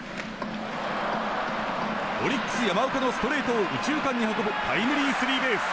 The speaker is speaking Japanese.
オリックス、山岡のストレートを右中間に運ぶタイムリースリーベース。